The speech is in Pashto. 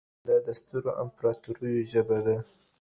دا د سترو امپراتوريو ژبه وه.